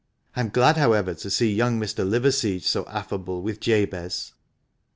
— I am glad, however, to see young Mr. Liverseege so affable with Jabez."